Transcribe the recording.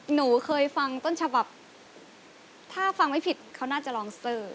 หนูเคยฟังต้นฉบับถ้าฟังไม่ผิดเขาน่าจะลองเซอร์